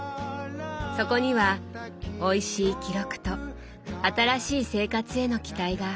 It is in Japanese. そこにはおいしい記録と新しい生活への期待が詰まっていました。